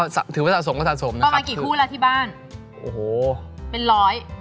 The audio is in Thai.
แต่นี่เราสะสมกับเขาด้วยมั้ย